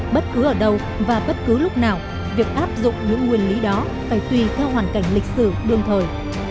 bất cứ ở đâu và bất cứ lúc nào việc áp dụng những nguyên lý đó phải tùy theo hoàn cảnh lịch sử đương thời